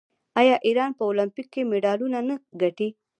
آیا ایران په المپیک کې مډالونه نه ګټي؟